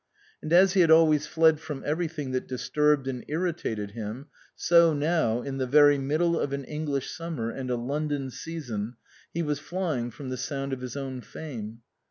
And as he had always fled from everything that disturbed and irritated him, so now, in the very middle of an English summer and a London season, he was flying from the sound of his own fame.